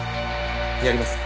やります。